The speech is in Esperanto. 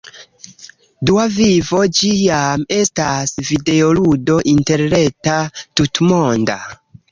Dua Vivo, ĝi jam estas videoludo interreta, tutmonda